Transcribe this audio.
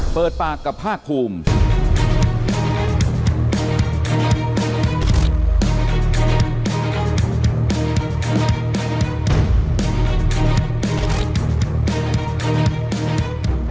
เปิดปากกับภาคภูมิ